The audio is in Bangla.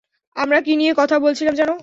আমরা কী নিয়ে কথা বলছিলাম যেন?